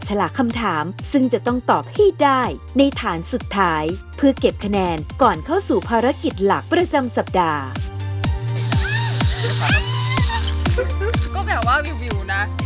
จริงเคยเล่นอยู่กันกันแต่ว่าอันนี้มันวิว